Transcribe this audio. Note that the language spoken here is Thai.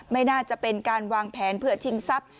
ไม่น่าจะเป็นการวางแผนเผื่อชิงทรัพย์